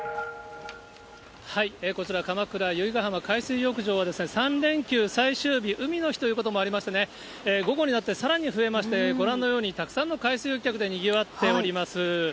こちら、鎌倉・由比ガ浜の海水浴場は、３連休最終日、海の日ということもありまして、午後になってさらに増えまして、ご覧のようにたいへんの海水浴客でにぎわっております。